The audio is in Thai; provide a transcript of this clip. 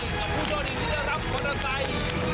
กับผู้โชคดีที่จะรับขนาดใส